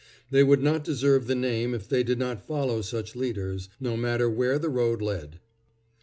They would not deserve the name if they did not follow such leaders, no matter where the road led.